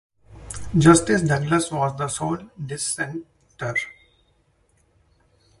Justice Douglas was the sole dissenter.